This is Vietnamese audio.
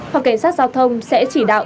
học cảnh sát giao thông sẽ chỉ đạo